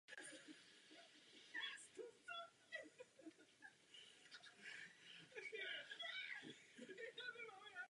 Pracujme proto společně.